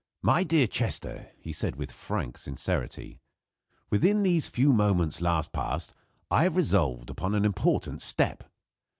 "My dear Chester," he said with frank sincerity, "within these few moments last past I have resolved upon an important step.